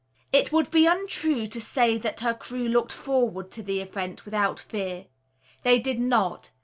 It would be untrue to say that her crew looked forward to the event without fear. They did not.